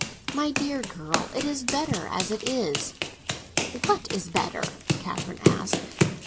My dear girl, it is better as it is." "What is better?" Catherine asked.